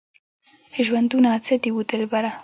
ژوندونه څه دی وه دلبره؟